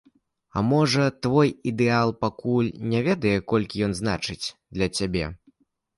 А можа, твой ідэал пакуль не ведае, колькі ён значыць для цябе?